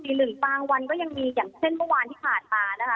หนึ่งบางวันก็ยังมีอย่างเช่นเมื่อวานที่ผ่านมานะคะ